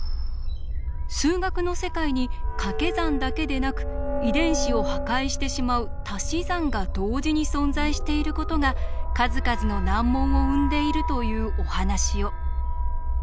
数学の世界にかけ算だけでなく遺伝子を破壊してしまうたし算が同時に存在していることが数々の難問を生んでいるというお話を。